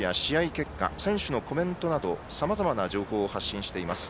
結果選手のコメントなどさまざまな情報を発信しています。